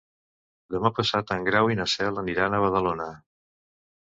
Demà passat en Grau i na Cel aniran a Badalona.